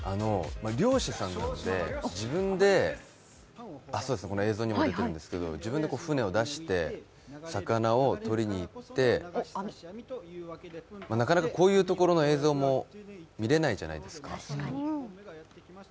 漁師さんなんで映像にも出ていますが自分で船を出して魚を捕りに行って、なかなかこういうところの映像も見れないじゃないですか。